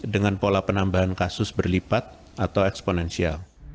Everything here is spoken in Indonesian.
dengan pola penambahan kasus berlipat atau eksponensial